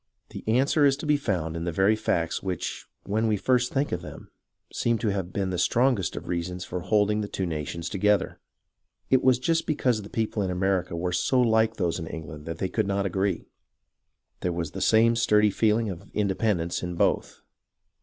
The answer is to be found in the very facts which, when we first think of them, seem to have been the strong est of reasons for holding the two nations together. It was just because the people in America were so Hke those in England that they could not agree. There was the same sturdy feehng of independence in both.